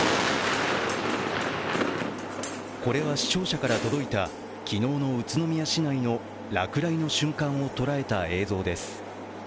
これは視聴者から届いた昨日の宇都宮市内の落雷の瞬間を捉えた映像です。